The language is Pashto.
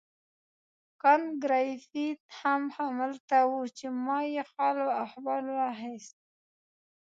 کانت ګریفي هم همالته وو چې ما یې حال و احوال واخیست.